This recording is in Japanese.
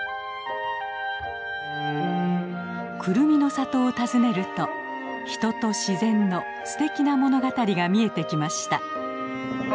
クルミの里を訪ねると人と自然のすてきな物語が見えてきました。